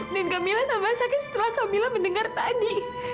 dan kamilah tambah sakit setelah kamilah mendengar tadi